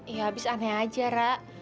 ya abis aneh aja ra